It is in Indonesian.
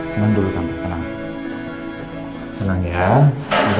tenang dulu tante tenang